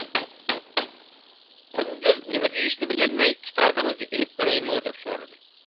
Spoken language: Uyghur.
قۇندۇز نېمە دېيىشىنى بىلەلمەي:-كىتابىڭىزنى ئېلىپ بېرەيمۇ؟ -دەپ سورىدى.